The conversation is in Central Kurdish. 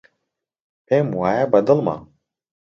پێم وایە بەدڵمە.